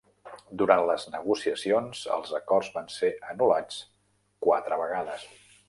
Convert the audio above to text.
Durant les negociacions, els acords van ser anul·lats quatre vegades.